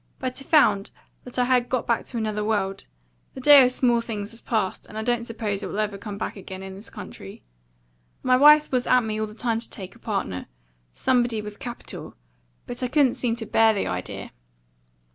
"But I found that I had got back to another world. The day of small things was past, and I don't suppose it will ever come again in this country. My wife was at me all the time to take a partner somebody with capital; but I couldn't seem to bear the idea.